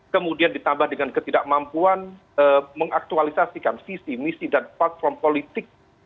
kemudian ditambah dengan ketidakmampuan mengaktualisasikan visi misi dan platform politik